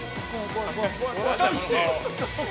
題して。